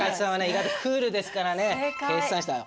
意外とクールですからね。